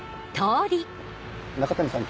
中谷さん